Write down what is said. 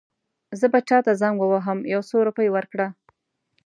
زه به چاته زنګ ووهم یو څو روپۍ ورکړه.